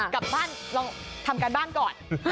กลับบ้านลองทำการบ้านก่อน